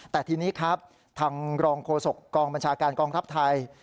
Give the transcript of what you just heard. แต่ทีนี้ครับทางรองโฆษกองบัญชาการกองทัพไทย